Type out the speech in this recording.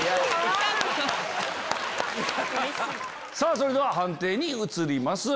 それでは判定に移ります。